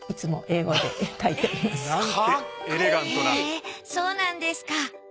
いえへえそうなんですか。